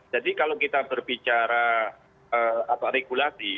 jadi kalau kita berbicara atau regulasi